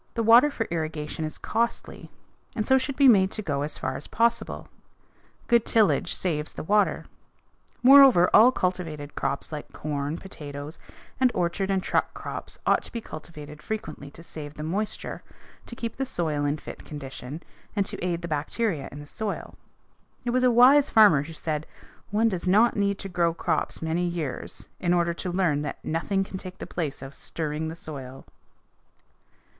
The water for irrigation is costly, and should be made to go as far as possible. Good tillage saves the water. Moreover, all cultivated crops like corn, potatoes, and orchard and truck crops ought to be cultivated frequently to save the moisture, to keep the soil in fit condition, and to aid the bacteria in the soil. It was a wise farmer who said, "One does not need to grow crops many years in order to learn that nothing can take the place of stirring the soil."